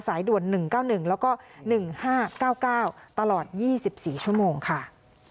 สายด่วน๑๙๑แล้วก็๑๕๙๙ตลอด๒๔ชั่วโมงค่ะ